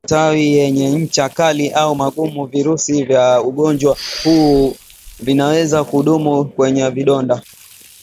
matawi yenye ncha kali au magumu Virusi vya ugonjwa huu vinaweza kudumu kwenye vidonda